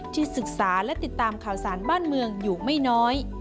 ศึกษาและติดตามข่าวสารบ้านเมืองอยู่ไม่น้อย